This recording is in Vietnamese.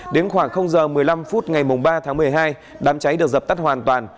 đến khoảng giờ một mươi năm phút ngày ba tháng một mươi hai đám cháy được dập tắt hoàn toàn